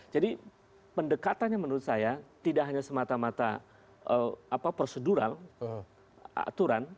jadi pendekatannya menurut saya tidak hanya semata mata apa prosedural aturan